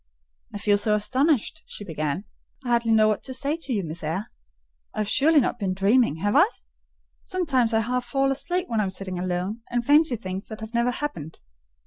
"I feel so astonished," she began, "I hardly know what to say to you, Miss Eyre. I have surely not been dreaming, have I? Sometimes I half fall asleep when I am sitting alone and fancy things that have never happened.